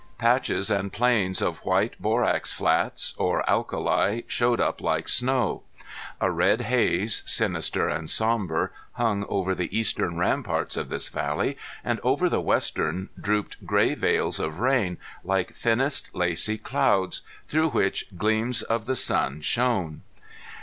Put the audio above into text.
Patches and plains of white, borax flats or alkali, showed up like snow. A red haze, sinister and sombre, hung over the eastern ramparts of this valley, and over the western drooped gray veils of rain, like thinnest lacy clouds, through which gleams of the sun shone.